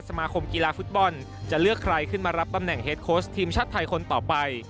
สมาคมกีฬาฟุตบอลจะเลือกใครขึ้นมารับตำแหน่งเฮดโค้ชทีมชาติไทยคนต่อไป